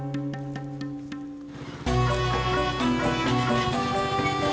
di depan kau